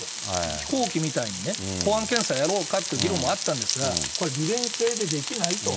飛行機みたいにね、保安検査やろうかっていう議論もあったんですが、これ、利便性でできないと。